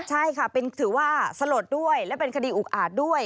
ใช่ค่ะถือว่าสลดด้วยและเป็นคดีอุกอาจด้วย